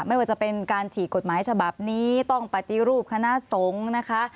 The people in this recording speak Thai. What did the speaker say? ไม่ว่าจะเป็นการฉีกกฎหมายฉบับนี้ต้องปฏิรูปคณะสงฆ์นะคะ